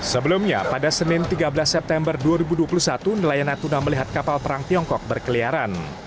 sebelumnya pada senin tiga belas september dua ribu dua puluh satu nelayan natuna melihat kapal perang tiongkok berkeliaran